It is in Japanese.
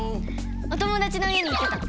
お友だちの家に行ってたの。